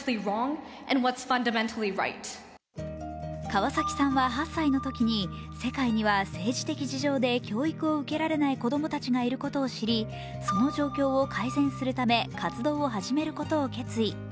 川崎さんは８歳のときに、世界には政治的事情で教育を受けられない子供たちがいることを知り、その状況を改善するため活動を始めることを決意。